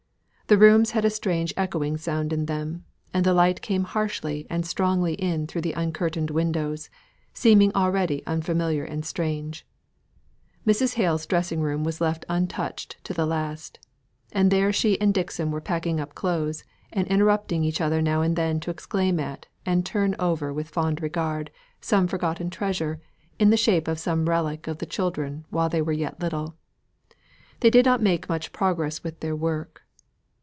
The rooms had a strange echoing sound in them, and the light came harshly and strongly in through the uncurtained windows, seeming already unfamiliar and strange. Mrs. Hale's dressing room was left untouched to the last; and there she and Dixon were packing up clothes, and interrupting each other every now and then to exclaim at, and turn over with fond regard, some forgotten treasure, in the shape of some relic of the children while they were yet little. They did not make much progress with their work.